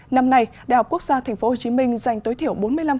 năm nay đại học quốc gia tp hcm giành tối thiểu bốn mươi bốn